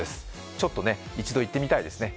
ちょっとね、一度行ってみたいですね。